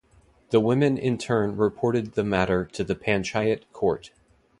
The women in turn reported the matter to the Panchayat Court.